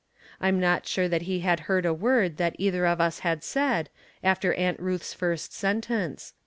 I'm not sure that he had heard a word that either of us had said, after Aunt Ruth's first sentence.